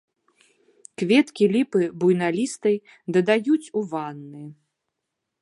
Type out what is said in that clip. Кветкі ліпы буйналістай дадаюць ў ванны.